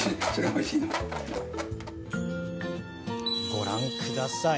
ご覧ください。